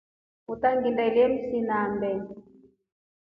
Utangindelye msinambe.